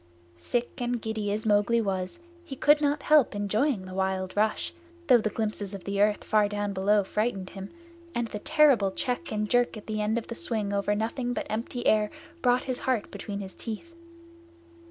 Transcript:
Sick and giddy as Mowgli was he could not help enjoying the wild rush, though the glimpses of earth far down below frightened him, and the terrible check and jerk at the end of the swing over nothing but empty air brought his heart between his teeth.